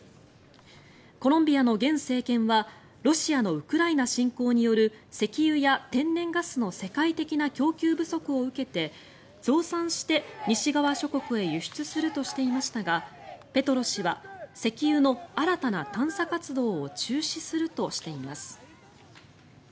コロンビアの現政権はロシアのウクライナ侵攻による石油や天然ガスの世界的な供給不足を受けて増産して、西側諸国へ輸出するとしていましたがペトロ氏は石油の新たな探査活動を中止するとしています。